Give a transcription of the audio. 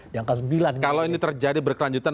yang ke sembilan kalau ini terjadi berkelanjutan